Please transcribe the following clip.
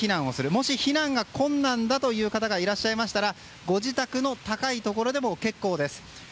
もし、避難が困難な方がいましたらご自宅の高いところでも結構です。